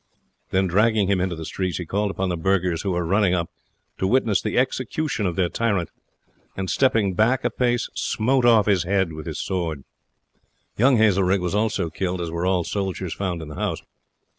Then dragging him into the street he called upon the burghers, who were running up, to witness the execution of their tyrant, and stepping back a pace smote off his head with his sword. Young Hazelrig was also killed, as were all soldiers found in the house.